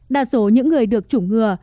đa số những người được chủng ngừa